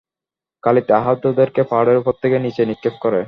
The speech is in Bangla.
খালিদ আহতদেরকে পাহাড়ের উপর থেকে নিচে নিক্ষেপ করে।